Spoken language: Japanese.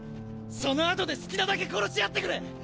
その後で好きなだけ殺し合ってくれ！！